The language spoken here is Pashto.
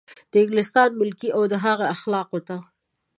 د انګلستان ملکې او د هغې اخلافو ته.